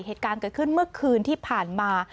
เหตุการณ์เกิดขึ้นเมื่อคืนที่ผ่านมา